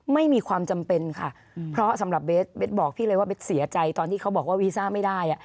ไม่มีความจำเป็นค่ะเพราะสำหรับเบสเบสบอกพี่เลยว่าเบสเสียใจตอนที่เขาบอกว่าวีซ่าไม่ได้อ่ะ